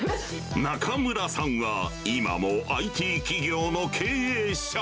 中村さんは今もＩＴ企業の経営者。